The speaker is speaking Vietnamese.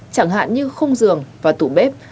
chẳng hạn như khung giường và tủ bếp